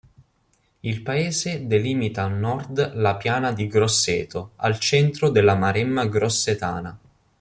Il paese delimita a nord la piana di Grosseto, al centro della Maremma grossetana.